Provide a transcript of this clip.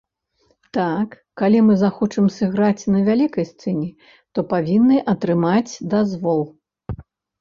Так, калі мы захочам сыграць на вялікай сцэне, то павінны атрымаць дазвол.